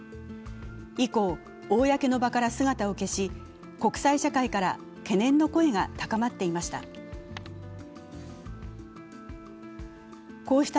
以降、公の場から姿を消し、国際社会から懸念の声が高まっていました。